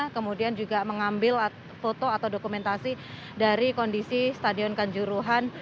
kemudian juga mengambil foto atau dokumentasi dari kondisi stadion kanjuruhan